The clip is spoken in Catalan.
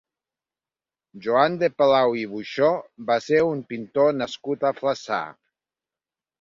Joan de Palau i Buxó va ser un pintor nascut a Flaçà.